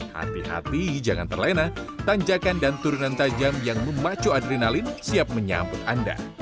hati hati jangan terlena tanjakan dan turunan tajam yang memacu adrenalin siap menyambut anda